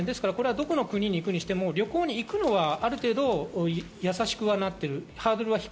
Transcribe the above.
どこの国に行くにしても旅行に行くのは、ある程度、やさしくはなっている。